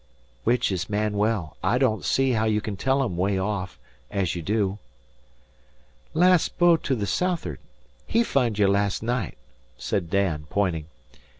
"Which is Manuel? I don't see how you can tell 'em 'way off, as you do." "Last boat to the south'ard. He fund you last night," said Dan, pointing.